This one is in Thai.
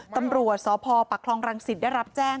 ตำรวจศพปะครองรังศิษย์ได้รับแจ้ง